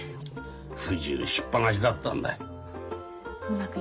不自由しっ放しだったんだい。